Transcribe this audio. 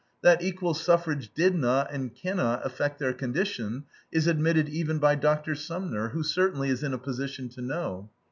That equal suffrage did not, and cannot, affect their condition is admitted even by Dr. Sumner, who certainly is in a position to know.